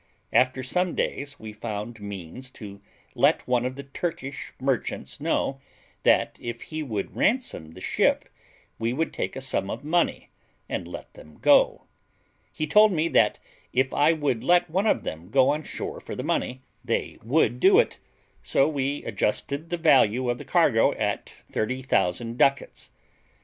After some days we found means to let one of the Turkish merchants know, that if he would ransom the ship we would take a sum of money and let them go. He told me that if I would let one of them go on shore for the money they would do it; so we adjusted the value of the cargo at 30,000 ducats.